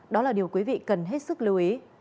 đó là điều quý vị cần hết sức lưu ý